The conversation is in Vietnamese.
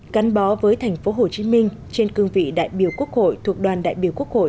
cắn bó với thành phố hồ chí minh trên cương vị đại biểu quốc hội thuộc đoàn đại biểu quốc hội